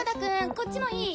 こっちもいい？